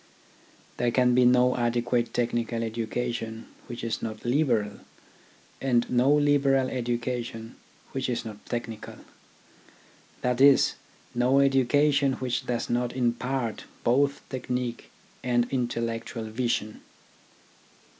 There can be no adequate technical education which is not liberal, and no liberal education which is not technical : that is, no education which does not impart both technique and intellectual vision.